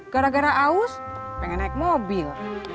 gara gara aus pengen naik mobil